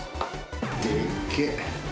でっけい。